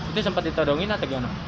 itu sempat ditodongin atau gimana